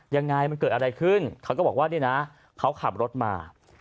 ยังไงมันเกิดอะไรขึ้นเขาก็บอกว่าเนี่ยนะเขาขับรถมา